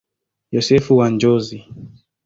Yosefu wa Njozi.